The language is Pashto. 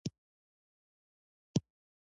د شالیو نیالګي کله قوریه کړم؟